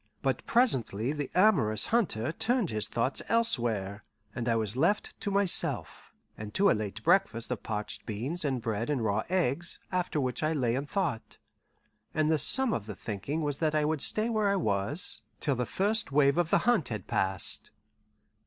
But presently the amorous hunter turned his thoughts elsewhere, and I was left to myself, and to a late breakfast of parched beans and bread and raw eggs, after which I lay and thought; and the sum of the thinking was that I would stay where I was till the first wave of the hunt had passed.